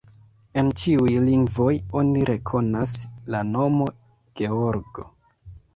En ĉiuj lingvoj oni rekonas la nomo: Georgo.